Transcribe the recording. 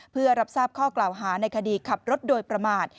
เพื่อรับทราบข้อกล่าวหาในคดีขับรถโดยประมาท